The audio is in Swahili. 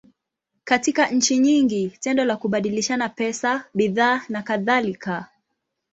Katika nchi nyingi, tendo la kubadilishana pesa, bidhaa, nakadhalika.